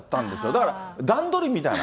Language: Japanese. だから、段取りみたいな？